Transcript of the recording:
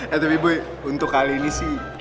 ya tapi ibu untuk kali ini sih